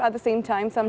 pada saat yang sama